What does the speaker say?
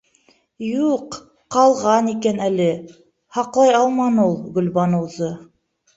Юҡ, ҡалған икән әле. һаҡлай алманы ул Гөлбаныуҙы.